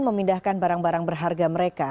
memindahkan barang barang berharga mereka